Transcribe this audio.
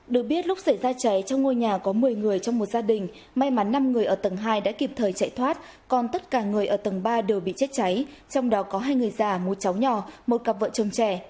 được biết lúc xảy ra cháy trong ngôi nhà có một mươi người trong một gia đình may mắn năm người ở tầng hai đã kịp thời chạy thoát còn tất cả người ở tầng ba đều bị chết cháy trong đó có hai người già một cháu nhỏ một cặp vợ chồng trẻ